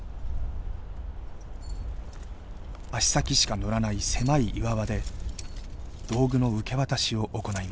足先しか乗らない狭い岩場で道具の受け渡しを行います。